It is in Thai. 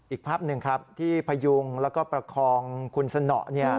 อีกภาพหนึ่งครับที่พยุงแล้วก็ประคองคุณสนอเนี่ย